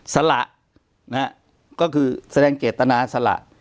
สละก็คือแสดงเกตนาสละ